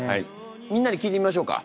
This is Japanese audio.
みんなに聞いてみましょうか。